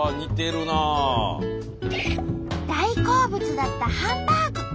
大好物だったハンバーグ。